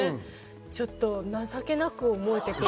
ちょっと情けなく思えてくる。